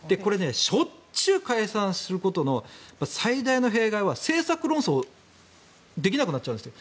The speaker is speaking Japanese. しょっちゅう解散することの最大の弊害は政策論争ができなくなっちゃうんです。